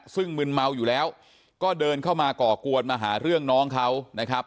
ซึ่งมึนเมาอยู่แล้วก็เดินเข้ามาก่อกวนมาหาเรื่องน้องเขานะครับ